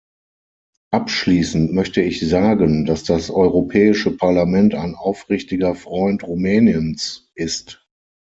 Abschließend möchte ich sagen, dass das Europäische Parlament ein aufrichtiger Freund Rumäniens ist.